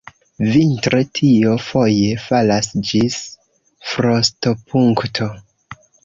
Vintre tio foje falas ĝis frostopunkto.